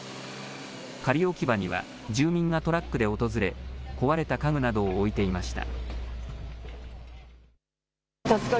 仮置き場には住民がトラックで訪れ、壊れた家具などを置いていました。